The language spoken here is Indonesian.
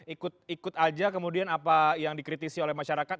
ikut ikut aja kemudian apa yang dikritisi oleh masyarakat